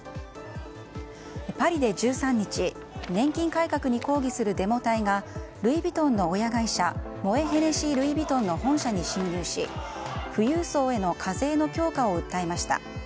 パリで１３日年金改革に抗議するデモ隊がルイ・ヴィトンの親会社モエ・ヘネシー・ルイ・ヴィトンの本社に侵入し、富裕層への課税の強化を訴えました。